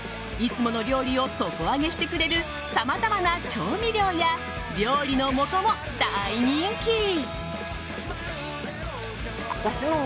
いつもの料理を底上げしてくれるさまざまな調味料や料理の素も大人気。